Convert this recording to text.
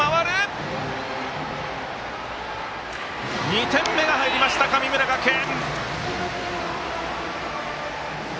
２点目が入りました、神村学園。